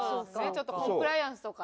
ちょっとコンプライアンスとか。